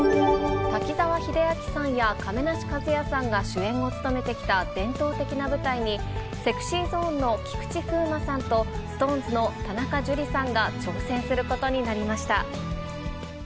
滝沢秀明さんや亀梨和也さんが主演を務めてきた伝統的な舞台に、ＳｅｘｙＺｏｎｅの菊池風磨さんと、ＳｉｘＴＯＮＥＳの田中樹さんが挑戦することになりました。